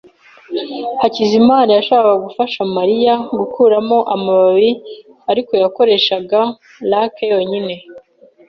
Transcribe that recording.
Hakizimana yashakaga gufasha Mariya gukuramo amababi, ariko yakoreshaga rake yonyine.